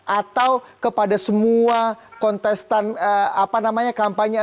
atau kepada semua kontestan apa namanya kampanye